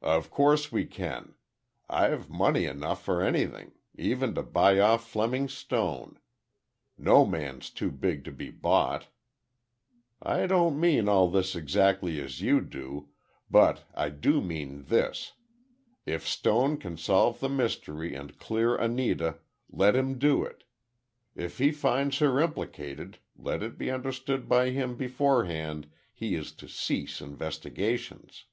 "Of course we can. I've money enough for anything—even to buy off Fleming Stone. No man's too big to be bought." "I don't mean all this exactly as you do, but I do mean this: if Stone can solve the mystery and clear Anita, let him do it. If he finds her implicated, let it be understood by him beforehand, he is to cease investigations."